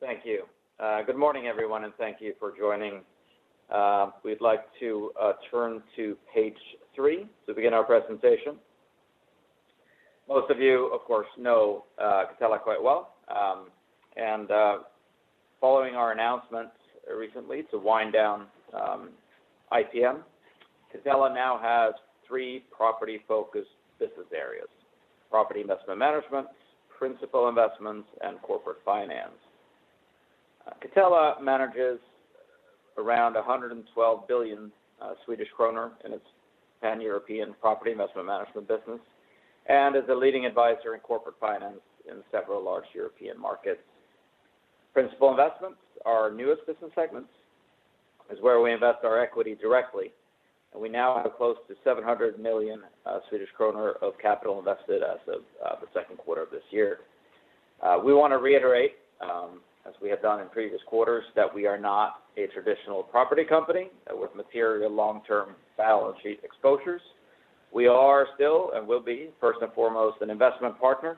Thank you. Good morning, everyone, and thank you for joining. We'd like to turn to page three to begin our presentation. Most of you, of course, know Catella quite well. Following our announcement recently to wind down IPM, Catella now has three property-focused business areas, Property Investment Management, Principal Investments, and Corporate Finance. Catella manages around 112 billion Swedish kronor in its Pan-European Property Investment Management business, and is a leading advisor in Corporate Finance in several large European markets. Principal Investments, our newest business segment, is where we invest our equity directly, and we now have close to 700 million Swedish kronor of capital invested as of the second quarter of this year. We want to reiterate, as we have done in previous quarters, that we are not a traditional property company with material long-term balance sheet exposures. We are still, and will be, first and foremost an investment partner,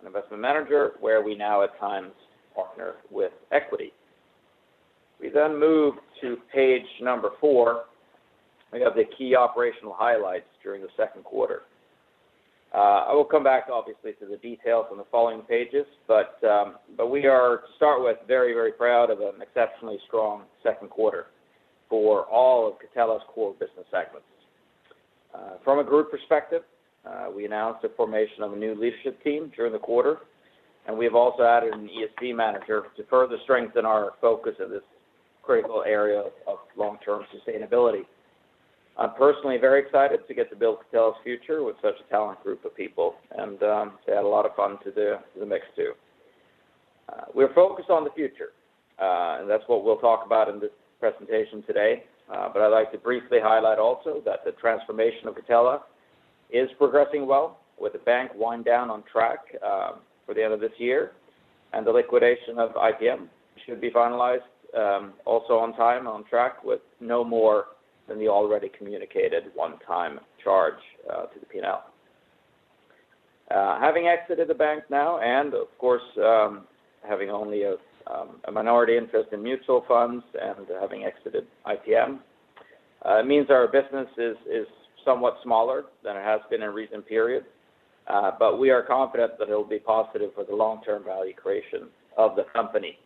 an investment manager, where we now at times partner with equity. We move to page number four. We have the key operational highlights during the second quarter. I will come back obviously to the details on the following pages, but we are, to start with, very proud of an exceptionally strong second quarter for all of Catella's core business segments. From a group perspective, we announced the formation of a new leadership team during the quarter, and we have also added an ESG manager to further strengthen our focus on this critical area of long-term sustainability. I'm personally very excited to get to build Catella's future with such a talented group of people, and they add a lot of fun to the mix too. We're focused on the future, that's what we'll talk about in this presentation today. I'd like to briefly highlight also that the transformation of Catella is progressing well with the bank wind down on track for the end of this year, and the liquidation of IPM should be finalized also on time, on track with no more than the already communicated one-time charge to the P&L. Having exited the bank now, and of course, having only a minority interest in mutual funds and having exited IPM, means our business is somewhat smaller than it has been in recent periods. We are confident that it'll be positive for the long-term value creation of the company.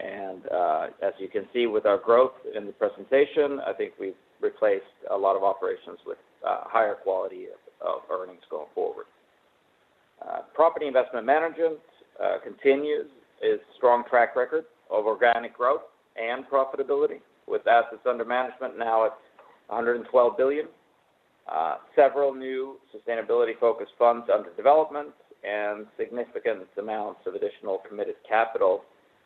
As you can see with our growth in the presentation, I think we've replaced a lot of operations with higher quality of earnings going forward. Property investment management continues its strong track record of organic growth and profitability with assets under management now at 112 billion. Several new sustainability-focused funds under development and significant amounts of additional committed capital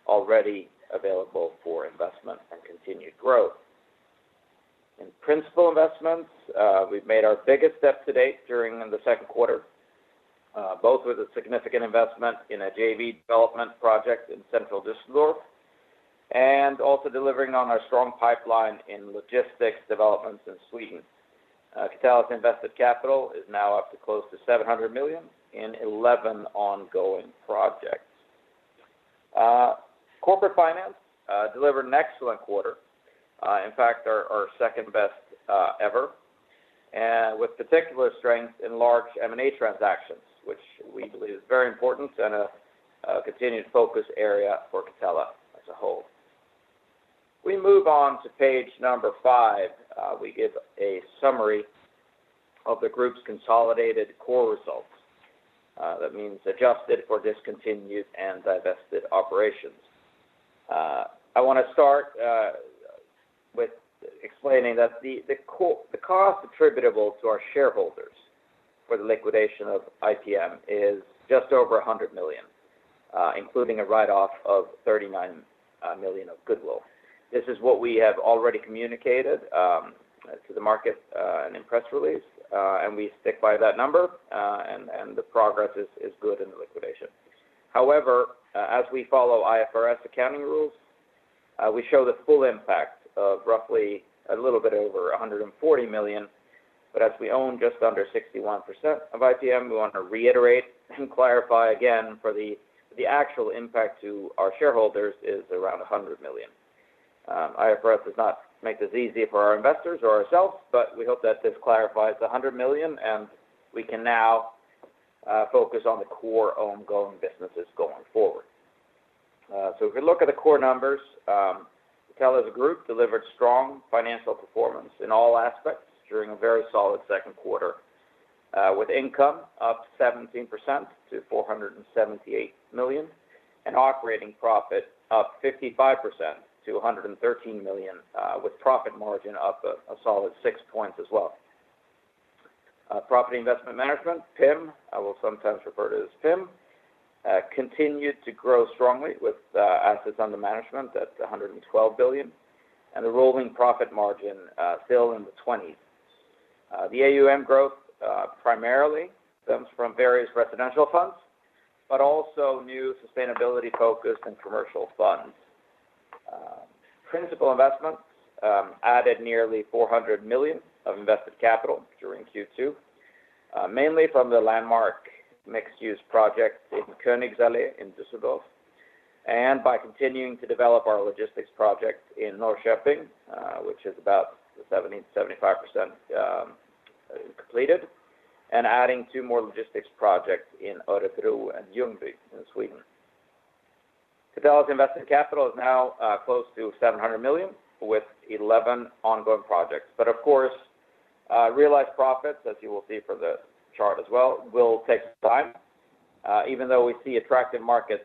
already available for investment and continued growth. In principal investments, we've made our biggest step to date during the second quarter, both with a significant investment in a JV development project in central Düsseldorf and also delivering on our strong pipeline in logistics developments in Sweden. Catella's invested capital is now up to close to 700 million in 11 ongoing projects. Corporate Finance delivered an excellent quarter. In fact, our second best ever, and with particular strength in large M&A transactions, which we believe is very important and a continued focus area for Catella as a whole. We move on to page number five. We give a summary of the group's consolidated core results. That means adjusted for discontinued and divested operations. I want to start with explaining that the cost attributable to our shareholders for the liquidation of IPM is just over 100 million, including a write-off of 39 million of goodwill. This is what we have already communicated to the market and in press release. We stick by that number. The progress is good in the liquidation. However, as we follow IFRS accounting rules, we show the full impact of roughly a little bit over 140 million. As we own just under 61% of IPM, we want to reiterate and clarify again for the actual impact to our shareholders is around 100 million. IFRS does not make this easy for our investors or ourselves. We hope that this clarifies the 100 million. We can now focus on the core ongoing businesses going forward. If we look at the core numbers, Catella as a group delivered strong financial performance in all aspects during a very solid second quarter with income up 17% to 478 million and operating profit up 55% to 113 million, with profit margin up a solid 6 points as well. Property Investment Management, PIM, I will sometimes refer to as PIM, continued to grow strongly with assets under management at 112 billion and a rolling profit margin still in the 20%s. The AUM growth primarily comes from various residential funds, also new sustainability focused and commercial funds. Principal Investment added nearly 400 million of invested capital during Q2, mainly from the landmark mixed-use project in Königsallee in Düsseldorf, and by continuing to develop our logistics project in Norrköping, which is about 70%-75% completed, and adding two more logistics projects in Örebro and Ljungby in Sweden. Catella's invested capital is now close to 700 million, with 11 ongoing projects. Of course, realized profits, as you will see from the chart as well, will take time, even though we see attractive markets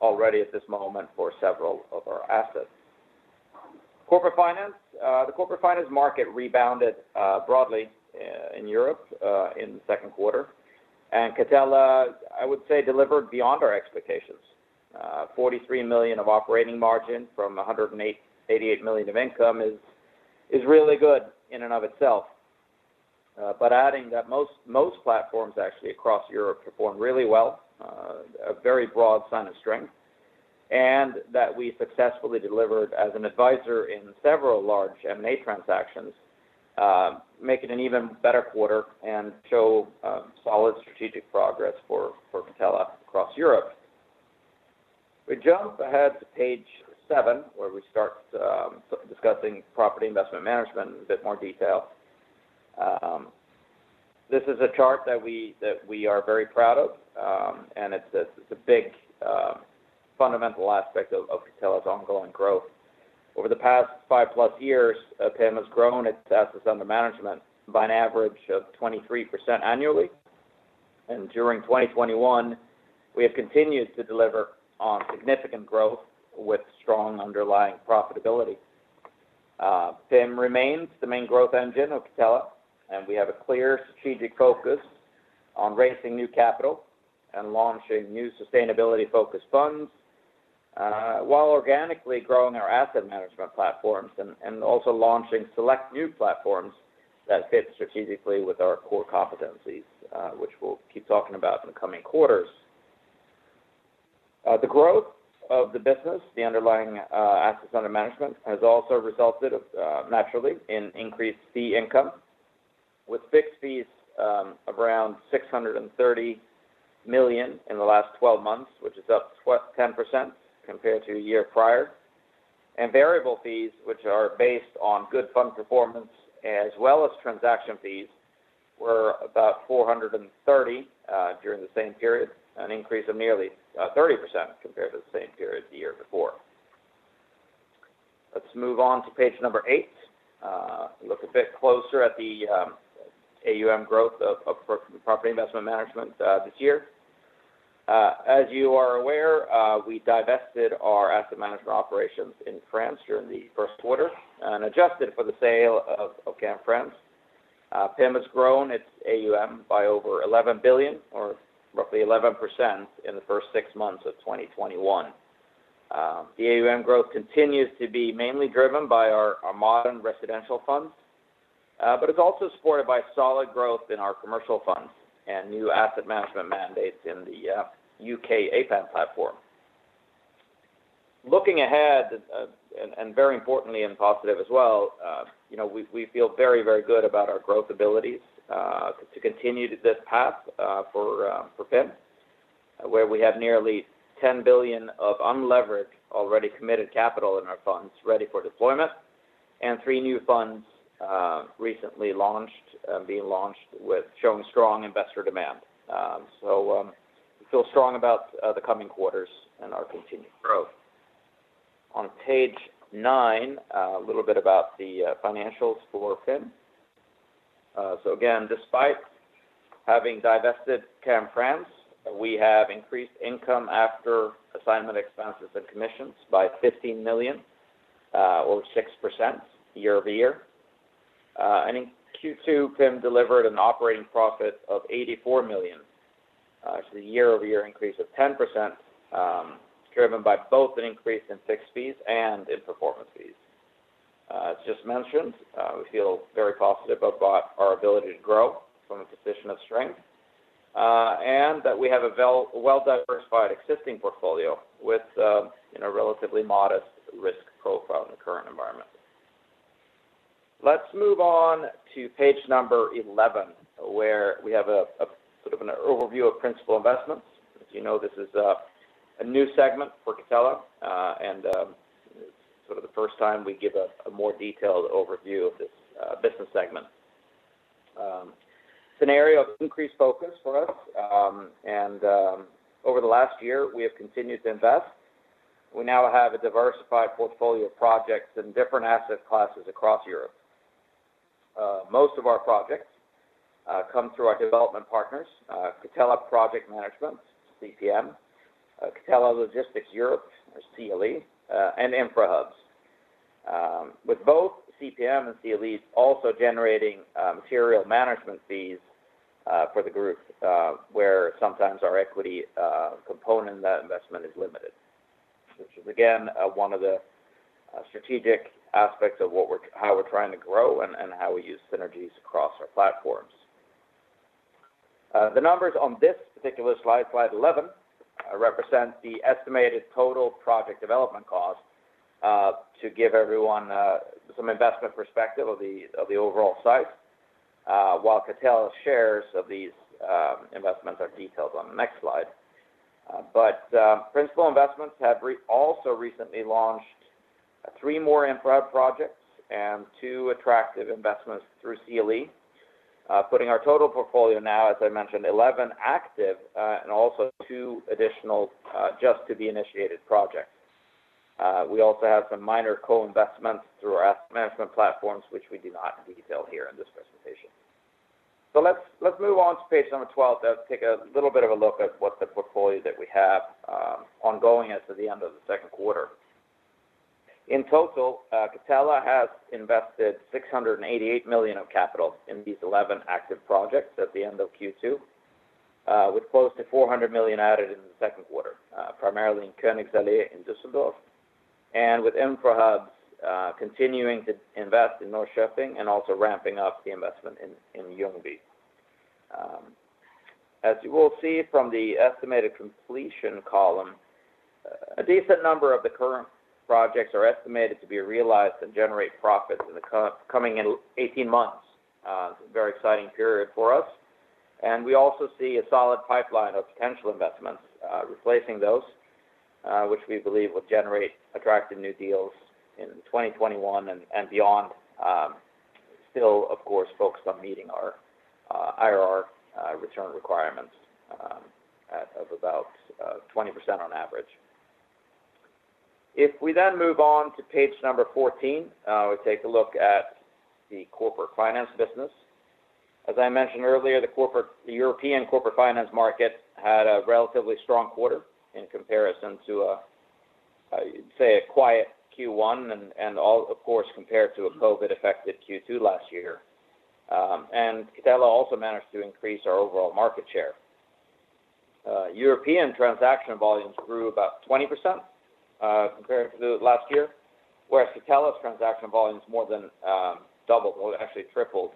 already at this moment for several of our assets. Corporate Finance. The Corporate Finance market rebounded broadly in Europe in the second quarter. Catella, I would say, delivered beyond our expectations. 43 million of operating margin from 188 million of income is really good in and of itself. Adding that most platforms actually across Europe performed really well, a very broad sign of strength, and that we successfully delivered as an advisor in several large M&A transactions, make it an even better quarter and show solid strategic progress for Catella across Europe. We jump ahead to page seven, where we start discussing Property Investment Management in a bit more detail. This is a chart that we are very proud of, and it's a big fundamental aspect of Catella's ongoing growth. Over the past five plius years, PIM has grown its assets under management by an average of 23% annually. During 2021, we have continued to deliver on significant growth with strong underlying profitability. PIM remains the main growth engine of Catella, and we have a clear strategic focus on raising new capital and launching new sustainability-focused funds, while organically growing our asset management platforms and also launching select new platforms that fit strategically with our core competencies, which we'll keep talking about in the coming quarters. The growth of the business, the underlying assets under management, has also resulted, naturally, in increased fee income, with fixed fees of around 630 million in the last 12 months, which is up 10% compared to a year prior. Variable fees, which are based on good fund performance as well as transaction fees, were about 430 during the same period, an increase of nearly 30% compared to the same period the year before. Let's move on to page number eight and look a bit closer at the AUM growth of property investment management this year. As you are aware, we divested our asset management operations in France during the first quarter. Adjusted for the sale of CAM France, PIM has grown its AUM by over 11 billion or roughly 11% in the first six months of 2021. The AUM growth continues to be mainly driven by our modern residential funds, but it's also supported by solid growth in our commercial funds and new asset management mandates in the U.K. APAM platform. Looking ahead, very importantly and positive as well, we feel very good about our growth abilities to continue this path for PIM, where we have nearly 10 billion of unlevered, already committed capital in our funds ready for deployment, and three new funds recently launched, being launched with showing strong investor demand. We feel strong about the coming quarters and our continued growth. On page nine, a little bit about the financials for PIM. Again, despite having divested CAM France, we have increased income after assignment expenses and commissions by 15 million, or 6% year-over-year. In Q2, PIM delivered an operating profit of 84 million. A year-over-year increase of 10%, driven by both an increase in fixed fees and in performance fees. As just mentioned, we feel very positive about our ability to grow from a position of strength, and that we have a well-diversified existing portfolio with a relatively modest risk profile in the current environment. Let's move on to page number 11, where we have an overview of principal investments. As you know, this is a new segment for Catella, and sort of the first time we give a more detailed overview of this business segment. It's an area of increased focus for us, and over the last year, we have continued to invest. We now have a diversified portfolio of projects in different asset classes across Europe. Most of our projects come through our development partners, Catella Project Management, CPM, Catella Logistics Europe, or CLE, and Infrahubs. With both CPM and CLE also generating material management fees for the group, where sometimes our equity component of that investment is limited. Which is, again, one of the strategic aspects of how we're trying to grow and how we use synergies across our platforms. The numbers on this particular slide 11, represent the estimated total project development cost to give everyone some investment perspective of the overall site, while Catella's shares of these investments are detailed on the next slide. Principal Investments have also recently launched more Infrahubs projects and two attractive investments through CLE, putting our total portfolio now, as I mentioned, 11 active, and also two additional just-to-be-initiated projects. We also have some minor co-investments through our asset management platforms which we do not detail here in this presentation. Let's move on to page number 12 to take a little bit of a look at what the portfolio that we have ongoing as of the end of the second quarter. In total, Catella has invested 688 million of capital in these 11 active projects at the end of Q2 with close to 400 million added in the second quarter, primarily in Königsallee in Düsseldorf. With Infrahubs continuing to invest in Norrköping and also ramping up the investment in Ljungby. As you will see from the estimated completion column, a decent number of the current projects are estimated to be realized and generate profits in the coming 18 months. It's a very exciting period for us, and we also see a solid pipeline of potential investments replacing those which we believe will generate attractive new deals in 2021 and beyond. Still, of course, focused on meeting our IRR return requirements of about 20% on average. If we move on to page 14, we take a look at the Corporate Finance business. As I mentioned earlier, the European Corporate Finance market had a relatively strong quarter in comparison to, say, a quiet Q1 and of course, compared to a COVID-affected Q2 last year. Catella also managed to increase our overall market share. European transaction volumes grew about 20% compared to last year, whereas Catella's transaction volumes more than doubled. Well, actually tripled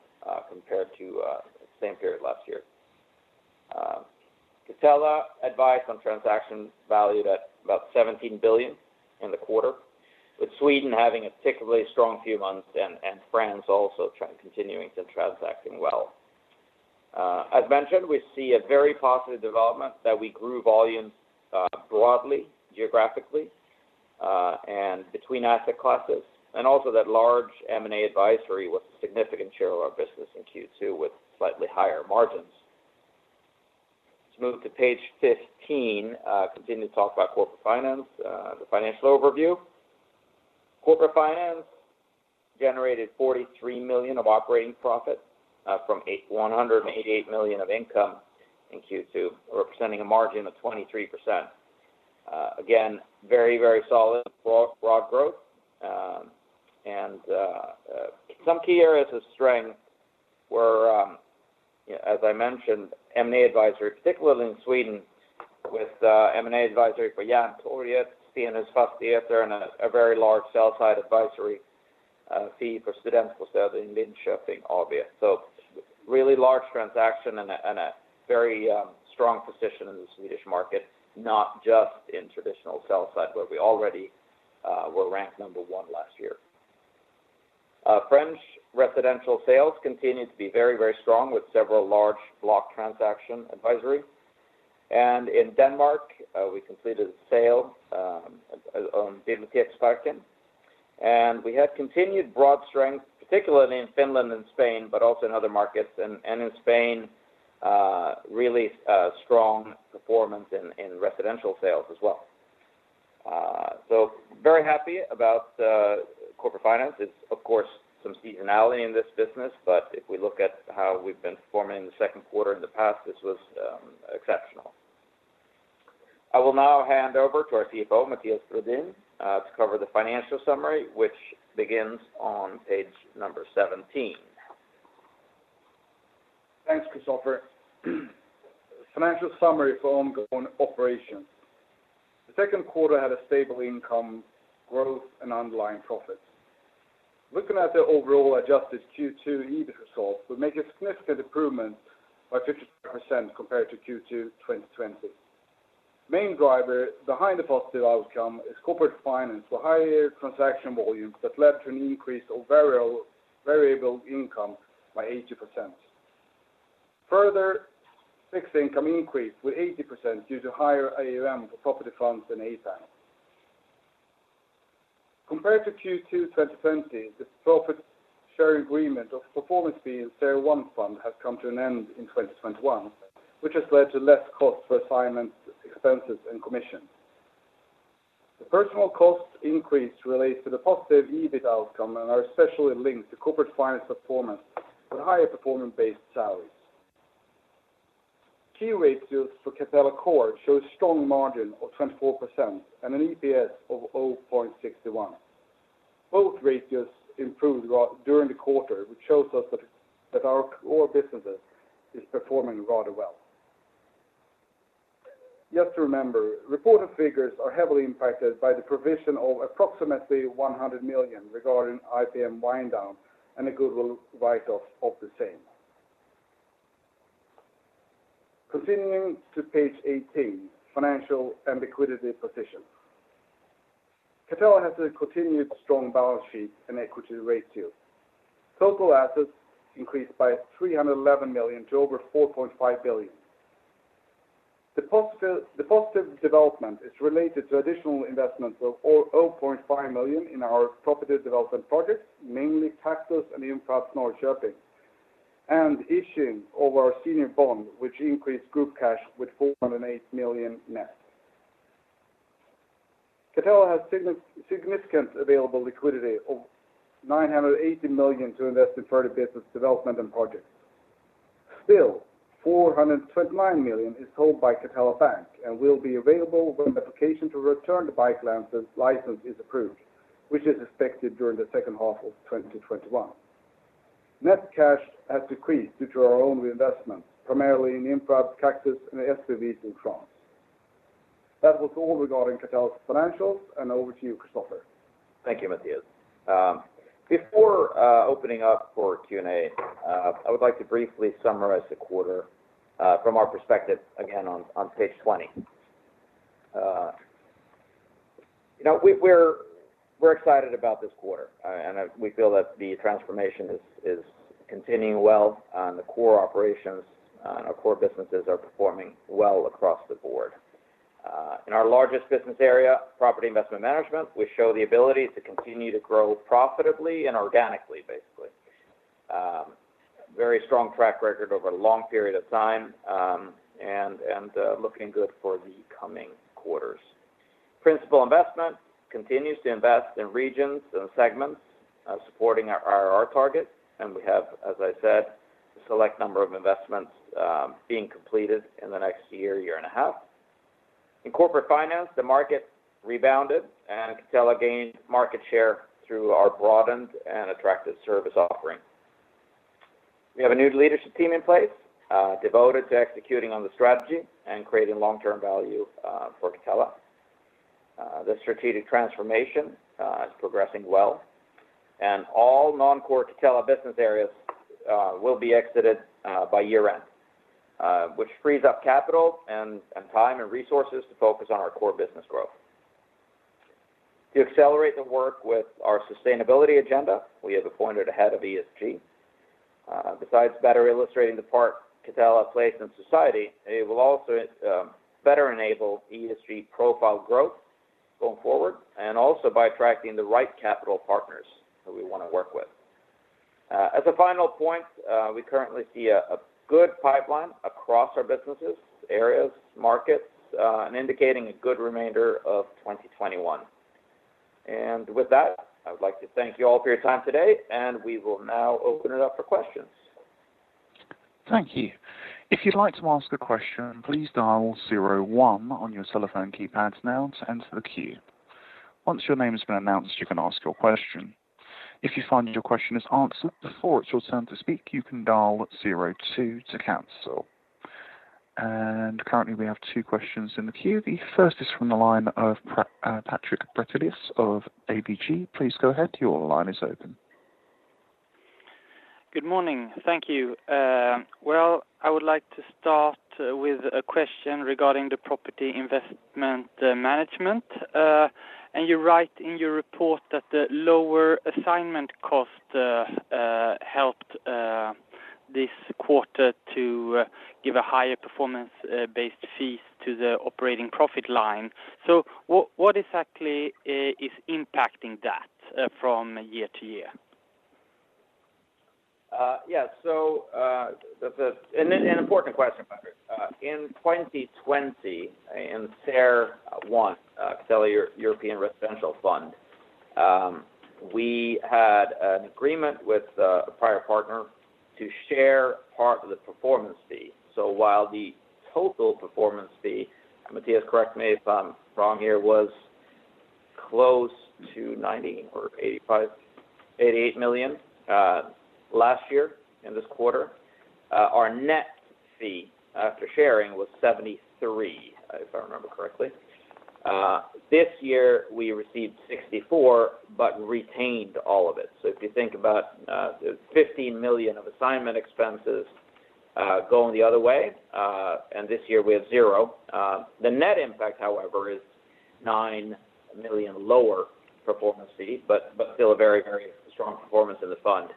compared to the same period last year. Catella advised on transactions valued at about 17 billion in the quarter, with Sweden having a particularly strong few months and France also continuing to transacting well. As mentioned, we see a very positive development that we grew volumes broadly, geographically, and between asset classes, and also that large M&A advisory was a significant share of our business in Q2 with slightly higher margins. Let's move to page 15, continue to talk about Corporate Finance, the financial overview. Corporate Finance generated 43 million of operating profit from 188 million of income in Q2, representing a margin of 23%. Again, very solid broad growth. Some key areas of strength were, as I mentioned, M&A advisory, particularly in Sweden with M&A advisory for Järntorget, Stenhus Fastigheter and a very large sell side advisory fee for Studentbostäder i Linköping, Arvika. Really large transaction and a very strong position in the Swedish market, not just in traditional sell side, where we already were ranked number one last year. French residential sales continued to be very strong with several large block transaction advisory. In Denmark, we completed a sale on, and we had continued broad strength, particularly in Finland and Spain, but also in other markets. In Spain really strong performance in residential sales as well. Very happy about Corporate Finance. It's, of course, some seasonality in this business, but if we look at how we've been performing in the second quarter in the past, this was exceptional. I will now hand over to our CFO, Mattias Brodin, to cover the financial summary, which begins on page number 17. Thanks, Christoffer. Financial summary for ongoing operations. The second quarter had a stable income growth and underlying profits. Looking at the overall adjusted Q2 EBIT result, we make a significant improvement by 50% compared to Q2 2020. Main driver behind the positive outcome is Corporate Finance for higher transaction volumes that led to an increase of variable income by 80%. Further fixed income increased with 80% due to higher AUM for property funds and at the time. Compared to Q2 2020, this profit share agreement of the performance fee in CER I fund has come to an end in 2021, which has led to less cost for assignment expenses and commission. The personal cost increase relates to the positive EBIT outcome and are especially linked to Corporate Finance performance with higher performance-based salaries. Key ratios for Catella Core show a strong margin of 24% and an EPS of 0.61. Both ratios improved during the quarter, which shows us that our core businesses is performing rather well. Just to remember, reported figures are heavily impacted by the provision of approximately 100 million regarding IPM wind down and the goodwill write-off of the same. Continuing to page 18, financial and liquidity position. Catella has a continued strong balance sheet and equity ratio. Total assets increased by 311 million to over 4.5 billion. The positive development is related to additional investments of 0.5 million in our property development projects, mainly Kaktus and Infrahubs Norrköping, and issuing of our senior bond, which increased group cash with 408 million net. Catella has significant available liquidity of 980 million to invest in further business development and projects. Still, 429 million is held by Catella Bank and will be available when the application to return to bank lending license is approved, which is expected during the second half of 2021. Net cash has decreased due to our own investments, primarily in Infrahubs, Kaktus, and the SPVs in France. That was all regarding Catella's financials, and over to you, Christoffer. Thank you, Mattias. Before opening up for Q&A, I would like to briefly summarize the quarter from our perspective again on page 20. We're excited about this quarter, and we feel that the transformation is continuing well on the core operations and our core businesses are performing well across the board. In our largest business area, Property Investment Management, we show the ability to continue to grow profitably and organically, basically. Very strong track record over a long period of time and looking good for the coming quarters. Principal investment continues to invest in regions and segments supporting our IRR target, and we have, as I said, a select number of investments being completed in the next year and a half. In Corporate Finance, the market rebounded, and Catella gained market share through our broadened and attractive service offering. We have a new leadership team in place devoted to executing on the strategy and creating long-term value for Catella. The strategic transformation is progressing well, and all non-core Catella business areas will be exited by year-end which frees up capital and time and resources to focus on our core business growth. To accelerate the work with our sustainability agenda, we have appointed a head of ESG. Besides better illustrating the part Catella plays in society, it will also better enable ESG profile growth going forward, and also by attracting the right capital partners that we want to work with. As a final point, we currently see a good pipeline across our businesses, areas, markets, and indicating a good remainder of 2021. With that, I would like to thank you all for your time today, and we will now open it up for questions. Thank you. If you'd like to ask the question, please dial zero one your cell phone keypad now to enter the queue. Once your name been announced, you can ask your question. If you found your question is answered before, it's your turn to speak. You can dial zero two to cancel. Currently, we have two questions in the queue. The first is from the line of Patrik Brattelius of ABG. Good morning. Thank you. Well, I would like to start with a question regarding the property investment management. You write in your report that the lower assignment cost helped this quarter to give a higher performance based fees to the operating profit line. What exactly is impacting that from year to year? An important question, Patrik. In 2020, in CER I, Catella European Residential Fund, we had an agreement with a prior partner to share part of the performance fee. While the total performance fee, and Mattias correct me if I'm wrong here, was close to 90 million or 85 million, 88 million last year in this quarter. Our net fee after sharing was 73 million, if I remember correctly. This year we received 64 million but retained all of it. If you think about 15 million of assignment expenses going the other way, and this year we have zero. The net impact, however, is 9 million lower performance fee, but still a very strong performance in the fund.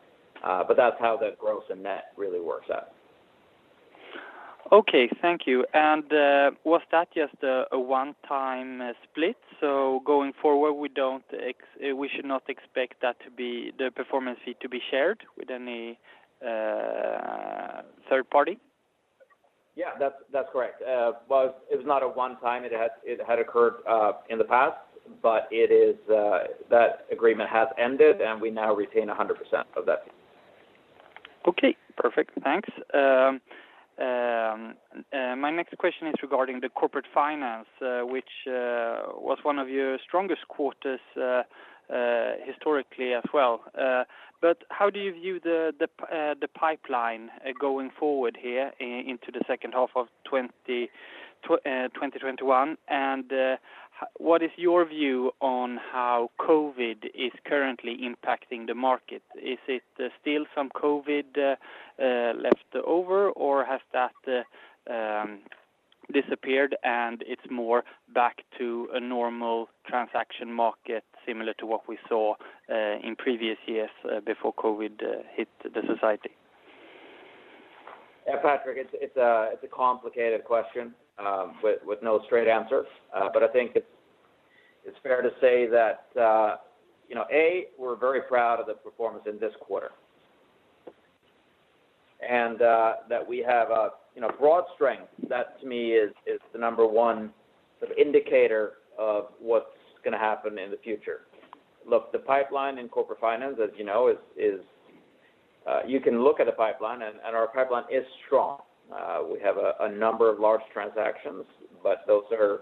That's how the gross and net really works out. Okay. Thank you. Was that just a one-time split? Going forward, we should not expect the performance fee to be shared with any third party? Yeah, that's correct. Well, it was not a one-time. It had occurred in the past, but that agreement has ended, and we now retain 100% of that fee. Okay, perfect. Thanks. My next question is regarding the Corporate Finance, which was one of your strongest quarters historically as well. How do you view the pipeline going forward here into the second half of 2021? What is your view on how COVID is currently impacting the market? Is it still some COVID left over, or has that disappeared and it's more back to a normal transaction market similar to what we saw in previous years before COVID hit the society? Yeah, Patrik, it's a complicated question with no straight answer. I think it's fair to say that, A, we're very proud of the performance in this quarter and that we have a broad strength. That to me is the number one indicator of what's going to happen in the future. Look, the pipeline in Corporate Finance, as you know, you can look at a pipeline, and our pipeline is strong. We have a number of large transactions, but they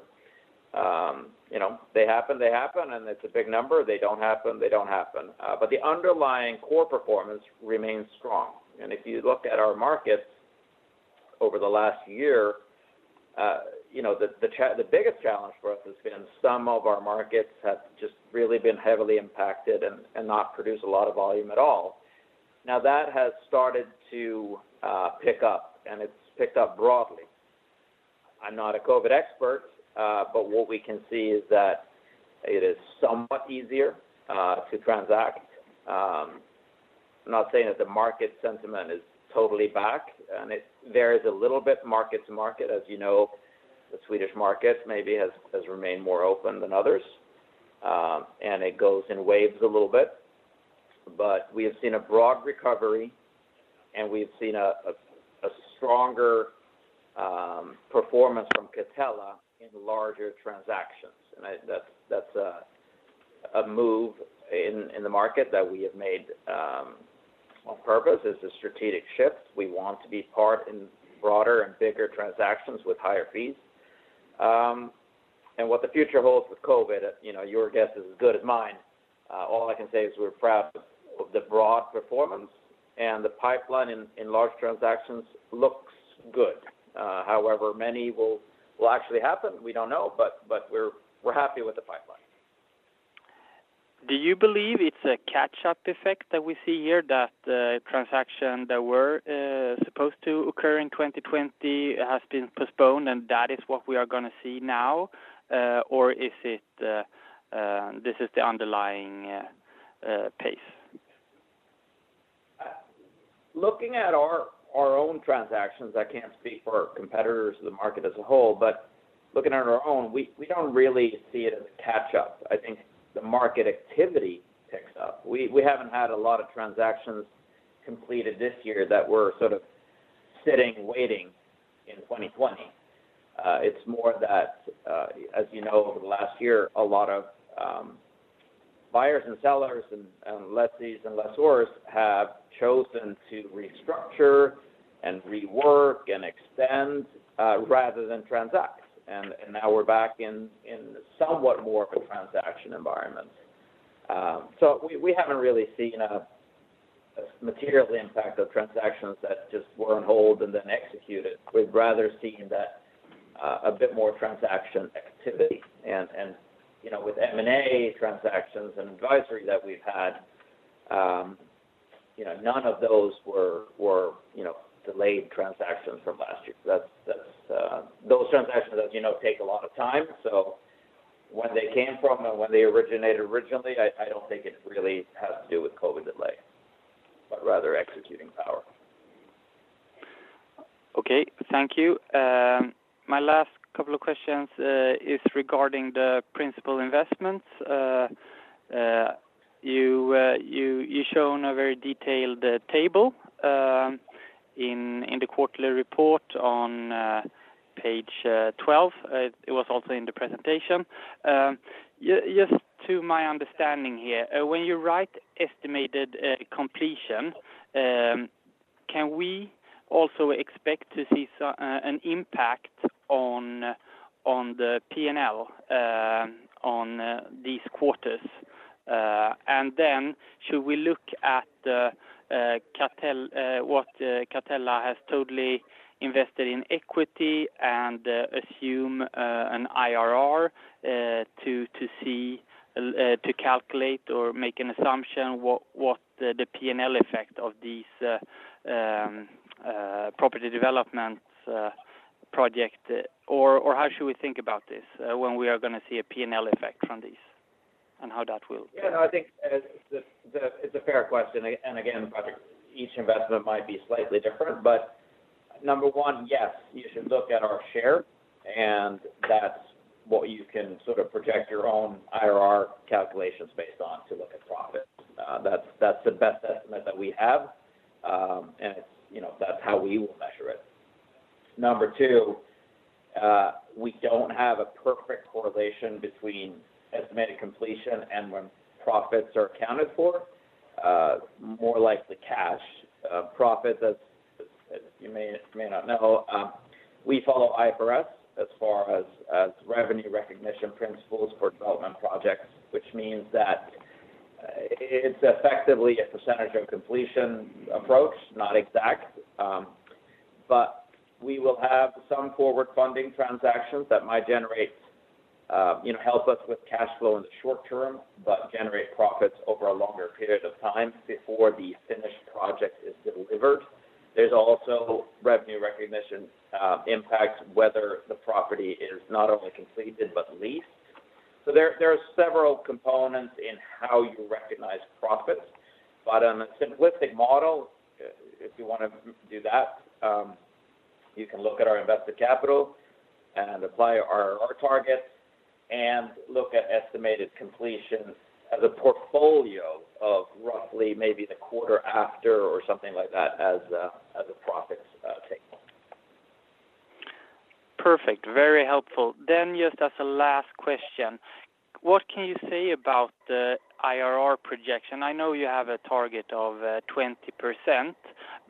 happen, and it's a big number. They don't happen. The underlying core performance remains strong. If you looked at our markets over the last year, the biggest challenge for us has been some of our markets have just really been heavily impacted and not produced a lot of volume at all. Now, that has started to pick up, and it's picked up broadly. I'm not a COVID expert, but what we can see is that it is somewhat easier to transact. I'm not saying that the market sentiment is totally back, and there is a little bit market to market. As you know, the Swedish market maybe has remained more open than others, and it goes in waves a little bit. We have seen a broad recovery, and we've seen a stronger performance from Catella in larger transactions. That's a move in the market that we have made on purpose. It's a strategic shift. We want to be part in broader and bigger transactions with higher fees. What the future holds with COVID, your guess is as good as mine. All I can say is we're proud of the broad performance, and the pipeline in large transactions looks good. Many will actually happen, we don't know, but we're happy with the pipeline. Do you believe it's a catch-up effect that we see here, that the transaction that were supposed to occur in 2020 has been postponed, and that is what we are going to see now? This is the underlying pace? Looking at our own transactions, I can't speak for our competitors or the market as a whole, but looking at our own we don't really see it as a catch-up. I think the market activity picks up. We haven't had a lot of transactions completed this year that were sort of sitting, waiting in 2020. It's more that, as you know, over the last year, a lot of buyers and sellers and lessees and lessors have chosen to restructure and rework and extend rather than transact. Now we're back in somewhat more of a transaction environment. We haven't really seen a material impact of transactions that just were on hold and then executed. We've rather seen a bit more transaction activity. With M&A transactions and advisory that we've had, none of those were delayed transactions from last year. Those transactions, as you know, take a lot of time. Where they came from and where they originated originally, I don't think it really has to do with COVID delay, but rather executing power. Okay. Thank you. My last couple of questions is regarding the principal investments. You've shown a very detailed table in the quarterly report on page 12. It was also in the presentation. Just to my understanding here, when you write estimated completion, can we also expect to see an impact on the P&L on these quarters? Should we look at what Catella has totally invested in equity and assume an IRR to calculate or make an assumption what the P&L effect of these property development project? How should we think about this when we are going to see a P&L effect from these? Yeah, I think it's a fair question. Again, Patrik, each investment might be slightly different. Number one, yes, you should look at our share, and that's what you can sort of project your own IRR calculations based on to look at profit. That's the best estimate that we have, and that's how we will measure it. Number two, we don't have a perfect correlation between estimated completion and when profits are accounted for. More likely cash profit, as you may or may not know. We follow IFRS as far as revenue recognition principles for development projects, which means that. It's effectively a percentage of completion approach, not exact. We will have some forward funding transactions that might help us with cash flow in the short term, but generate profits over a longer period of time before the finished project is delivered. There's also revenue recognition impacts whether the property is not only completed, but leased. There are several components in how you recognize profits. On a simplistic model, if you want to do that, you can look at our invested capital and apply our target and look at estimated completions as a portfolio of roughly maybe the quarter after or something like that as a profits table. Perfect. Very helpful. Just as a last question, what can you say about the IRR projection? I know you have a target of 20%,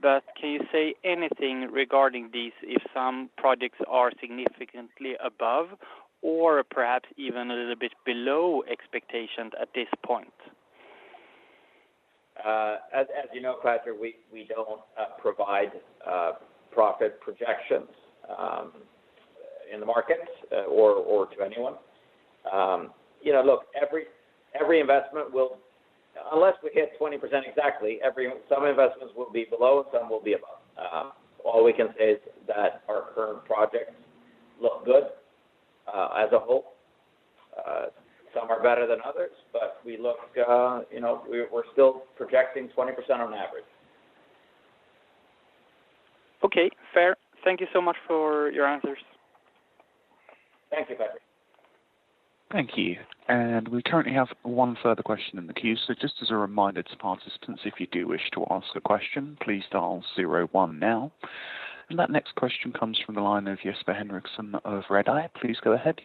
but can you say anything regarding these if some projects are significantly above or perhaps even a little bit below expectations at this point? As you know, Patrik, we don't provide profit projections in the market or to anyone. Look, unless we hit 20% exactly, some investments will be below, some will be above. All we can say is that our current projects look good as a whole. We're still projecting 20% on average. Okay, fair. Thank you so much for your answers. Thank you, Patrik. Thank you. We currently have one further question in the queue. That next question comes from the line of Jesper Henriksson of Redeye. Please go ahead.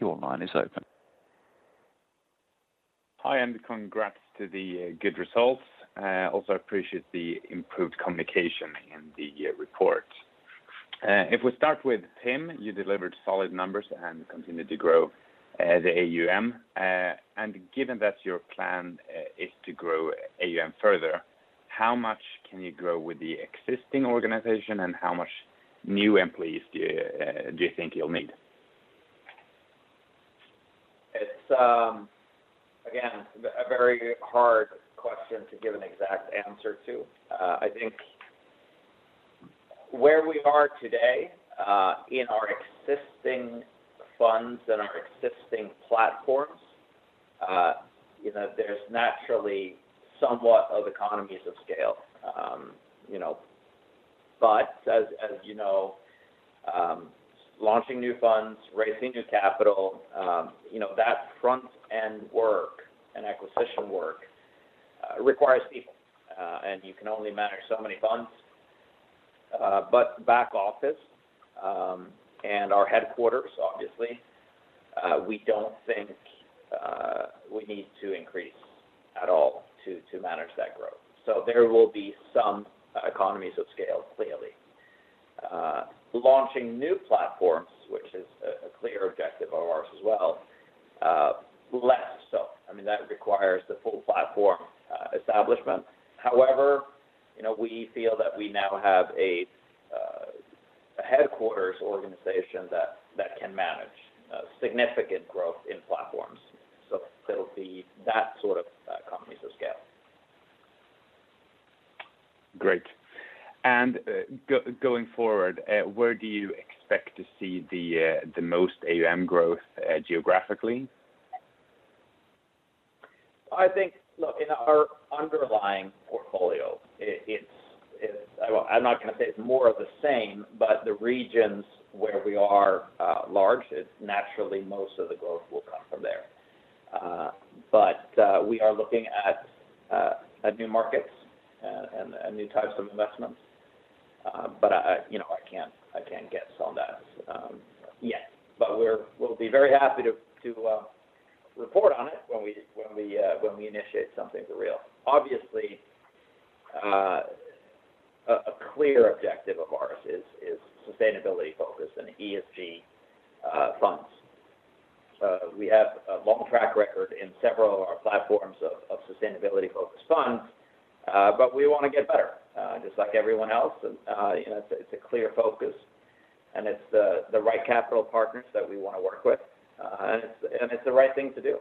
Hi, and congrats to the good results. Also appreciate the improved communication in the report. If we start with PIM, you delivered solid numbers and continued to grow the AUM. Given that your plan is to grow AUM further, how many new employees do you think you'll need? It's again, a very hard question to give an exact answer to. I think where we are today in our existing funds and our existing platforms, there's naturally somewhat of economies of scale. As you know, launching new funds, raising new capital, that front-end work and acquisition work requires people. You can only manage so many funds. Back office, and our headquarters, obviously, we don't think we need to increase at all to manage that growth. There will be some economies of scale clearly. Launching new platforms, which is a clear objective of ours as well, less so. That requires the full platform establishment. However, we feel that we now have a headquarters organization that can manage significant growth in platforms. It'll be that sort of economies of scale. Great. going forward, where do you expect to see the most AUM growth geographically? I think, look, in our underlying portfolio, I'm not going to say it's more of the same, but the regions where we are large, it's naturally most of the growth will come from there. We are looking at new markets and new types of investments. I can't guess on that yet. We'll be very happy to report on it when we initiate something for real. Obviously, a clear objective of ours is sustainability focus and ESG funds. We have a long track record in several of our platforms of sustainability-focused funds, but we want to get better just like everyone else. It's a clear focus and it's the right capital partners that we want to work with. It's the right thing to do.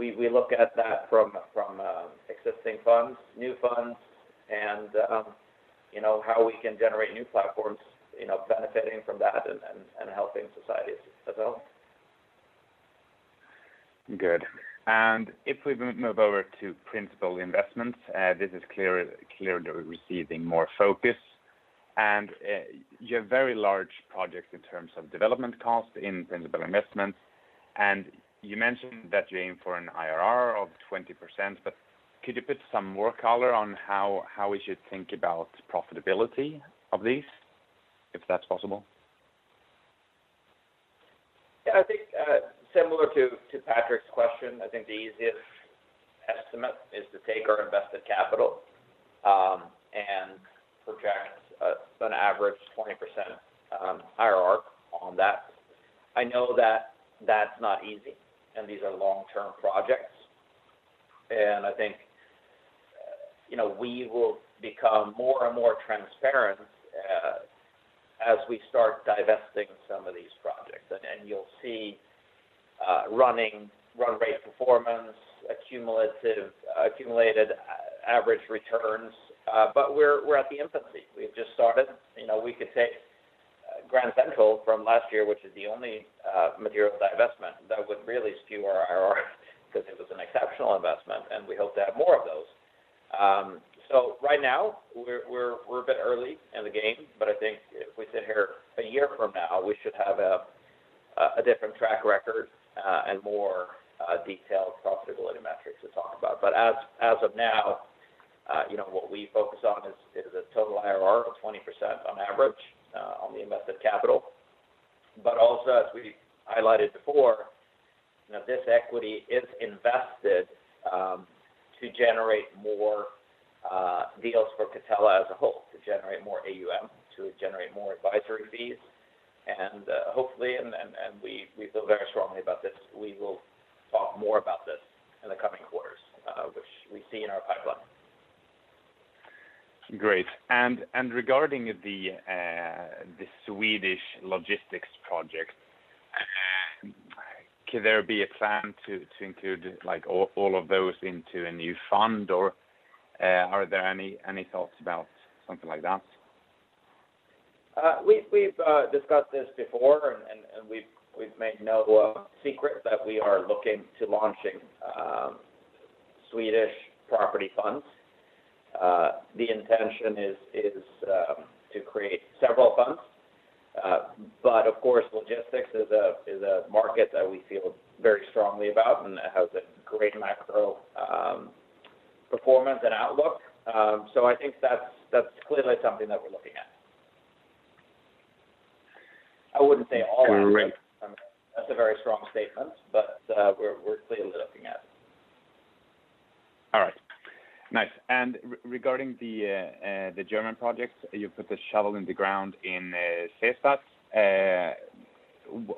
We look at that from existing funds, new funds, and how we can generate new platforms benefiting from that and helping societies as well. Good. If we move over to principal investments, this is clearly receiving more focus. You have very large projects in terms of development cost in principal investments, and you mentioned that you aim for an IRR of 20%, but could you put some more color on how we should think about profitability of these, if that's possible? Yeah, I think similar to Patrik's question, I think the easiest estimate is to take our invested capital and project an average 20% IRR on that. I know that's not easy, and these are long-term projects. I think we will become more and more transparent as we start divesting some of these projects. You'll see running run rate performance, accumulated average returns. We're at the infancy. We've just started. We could take Grand Central from last year, which is the only material divestment that would really skew our IRR because it was an exceptional investment, and we hope to have more of those. Right now, we're a bit early in the game, but I think if we sit here a year from now, we should have a different track record, and more detailed profitability metrics to talk about. As of now, what we focus on is the total IRR of 20% on average, on the invested capital. Also, as we highlighted before, this equity is invested to generate more deals for Catella as a whole, to generate more AUM, to generate more advisory fees. Hopefully, and we feel very strongly about this, we will talk more about this in the coming quarters, which we see in our pipeline. Great. Regarding the Swedish logistics project, could there be a plan to include all of those into a new fund or are there any thoughts about something like that? We've discussed this before and we've made no secret that we are looking to launching Swedish property funds. The intention is to create several funds. Of course, logistics is a market that we feel very strongly about and that has a great macro performance and outlook. I think that's clearly something that we're looking at. I wouldn't say all of them. That's a very strong statement, but we're clearly looking at it. All right. Nice. Regarding the German projects, you put the shovel in the ground in Seestadt.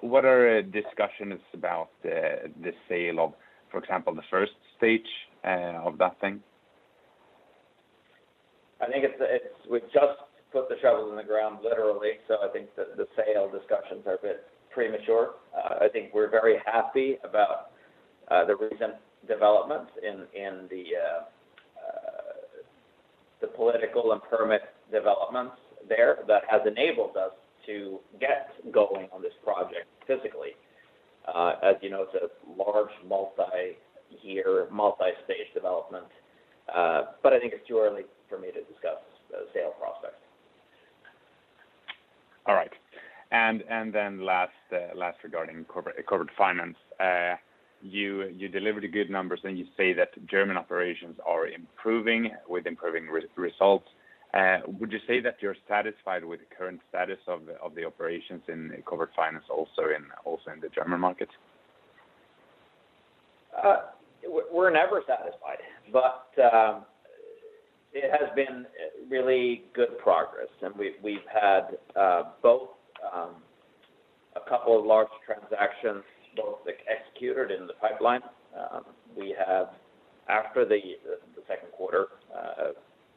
What are discussions about the sale of, for example, the first stage of that thing? I think we've just put the shovel in the ground, literally. I think that the sale discussions are a bit premature. I think we're very happy about the recent developments in the political and permit developments there that has enabled us to get going on this project physically. As you know, it's a large multi-year, multi-stage development. I think it's too early for me to discuss the sale prospect. All right. Last regarding Corporate Finance. You delivered good numbers and you say that German operations are improving with improving results. Would you say that you're satisfied with the current status of the operations in Corporate Finance also in the German markets? We're never satisfied. It has been really good progress. We've had both a couple of large transactions, both executed in the pipeline. We have, after the second quarter,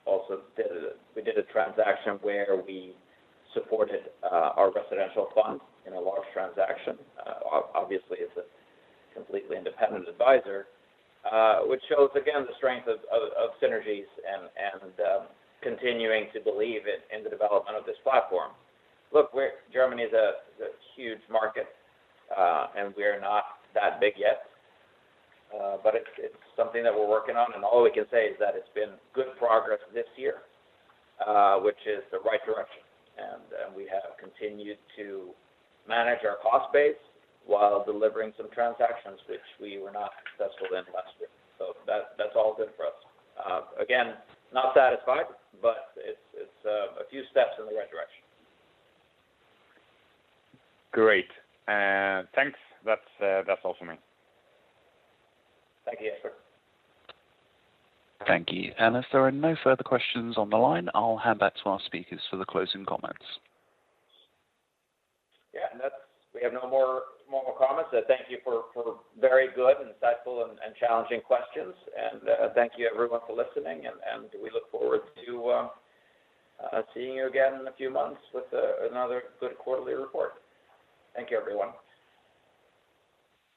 also we did a transaction where we supported our residential fund in a large transaction. Obviously as a completely independent advisor, which shows again the strength of synergies and continuing to believe in the development of this platform. Look, Germany is a huge market. We are not that big yet. It's something that we're working on, and all we can say is that it's been good progress this year, which is the right direction. We have continued to manage our cost base while delivering some transactions, which we were not successful in last year. That's all good for us. Again, not satisfied. It's a few steps in the right direction. Great. Thanks. That is all for me. Thank you, Jesper. Thank you. As there are no further questions on the line, I'll hand back to our speakers for the closing comments. We have no more comments. Thank you for very good, insightful, and challenging questions. Thank you everyone for listening, and we look forward to seeing you again in a few months with another good quarterly report. Thank you, everyone.